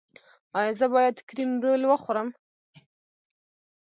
ایا زه باید کریم رول وخورم؟